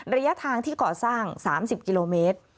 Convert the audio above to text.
ระยะทางที่ก่อสร้าง๓๐กิโลเมตร